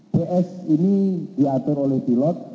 vs ini diatur oleh pilot